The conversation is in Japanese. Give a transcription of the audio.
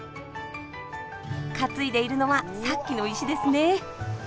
担いでいるのはさっきの石ですね。